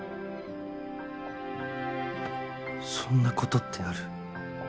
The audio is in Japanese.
そんな事ってある？